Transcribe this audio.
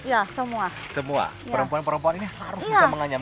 ya semua perempuan perempuan ini harus bisa menganyam